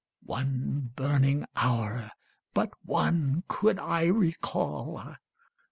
(One burning hour, but one, could I recall.